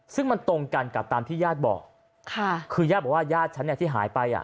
ซึ่งมันตรงกันกับตามที่ญาติบอกค่ะคือญาติบอกว่าญาติฉันเนี่ยที่หายไปอ่ะ